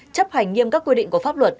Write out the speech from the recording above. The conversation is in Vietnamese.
chấp hành nghiêm các quy định của pháp luật